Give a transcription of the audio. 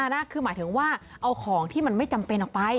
นะคือหมายถึงว่าเอาของที่มันไม่จำเป็นออกไป